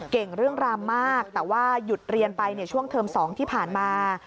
เก่งเรื่องรามมากแต่ว่าหยุดเรียนไปช่วงเทอม๒ที่ผ่านมา